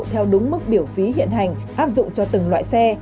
theo đúng mức biểu phí hiện hành áp dụng cho từng loại xe